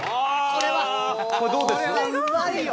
これはうまいよ！